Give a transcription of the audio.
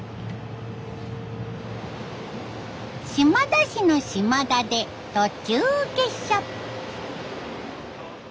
島田市の島田で途中下車。